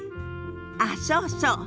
あっそうそう。